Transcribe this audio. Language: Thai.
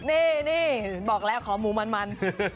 นี่บอกแล้วขอหมูมัน